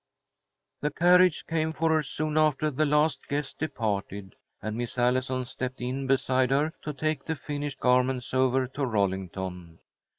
The carriage came for her soon after the last guest departed, and Miss Allison stepped in beside her to take the finished garments over to Rollington.